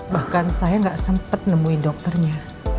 bahkan saya gak sempet nemuin dokternya